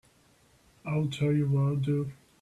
I'll tell you what I'll do.